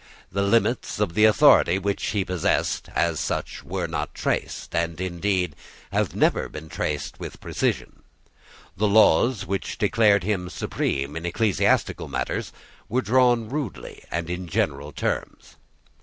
The limits of the authority which he possessed, as such, were not traced, and indeed have never yet been traced with precision. The laws which declared him supreme in ecclesiastical matters were drawn rudely and in general terms.